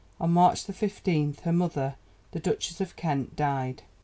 On March 15th her mother, the Duchess of Kent, died.